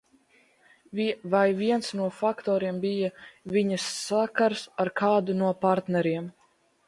Vai viens no faktoriem bija viņas sakars ar kādu no partneriem?